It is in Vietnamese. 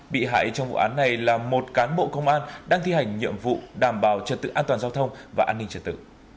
bị hại trong vụ án này là một cán bộ công an đang thi hành nhiệm vụ đảm bảo trật tự an toàn giao thông và an ninh trật tự